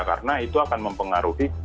karena itu akan mempengaruhi